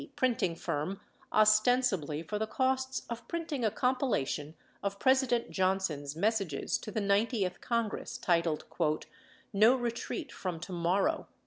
printing firm ostensibly for the costs of printing a compilation of Pres ident Johnson's messages to the 90th Congress, titled, "No Retreat From Tomorrow."